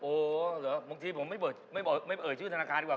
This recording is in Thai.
เหรอบางทีผมไม่เอ่ยชื่อธนาคารดีกว่า